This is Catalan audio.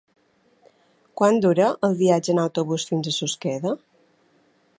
Quant dura el viatge en autobús fins a Susqueda?